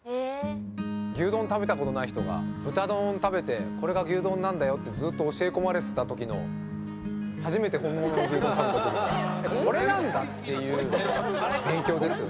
牛丼、食べたことない人が豚丼を食べてこれが牛丼なんだよってずっと教え込まれてた時の初めて本物の牛丼を食べた時のこれなんだ！という勉強ですね。